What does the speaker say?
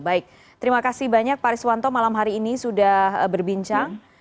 baik terima kasih banyak pak riswanto malam hari ini sudah berbincang